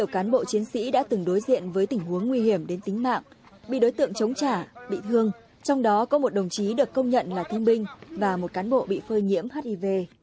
một cán bộ chiến sĩ đã từng đối diện với tình huống nguy hiểm đến tính mạng bị đối tượng chống trả bị thương trong đó có một đồng chí được công nhận là thương binh và một cán bộ bị phơi nhiễm hiv